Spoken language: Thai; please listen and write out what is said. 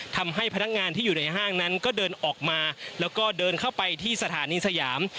ทำให้พนักงานที่อยู่ในห้างนั้นก็เดินออกมาแล้วก็เดินเข้าไปที่สถานีสยาม